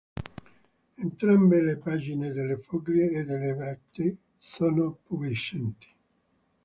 Entrambe le pagine delle foglie e delle brattee sono pubescenti.